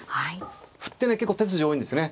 歩ってね結構手筋多いんですね。